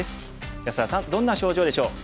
安田さんどんな症状でしょう？